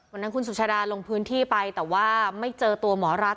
วันนั้นคุณสุชาดาลงพื้นที่ไปแต่ว่าไม่เจอตัวหมอรัก